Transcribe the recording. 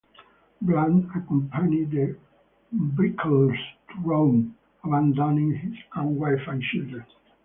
Brand accompanied the Beauclerks to Rome, abandoning his own wife and children.